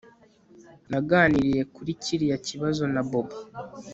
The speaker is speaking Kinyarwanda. Naganiriye kuri kiriya kibazo na Bobo